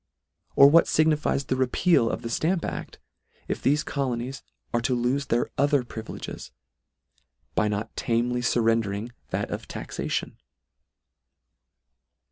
Or what fignifies the repeal of the Stamp Act, if thefe colonies are to lofe their other privileges, by not tamely fur rendering that of taxation?